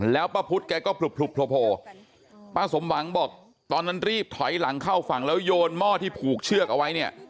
แล้วป้าพุทธแกก็ผลุบโผล่ป้าสมหวังบอกตอนนั้นรีบถอยหลังเข้าฝั่งแล้วโยนหม้อที่ผูกเชือกเอาไว้เนี่ย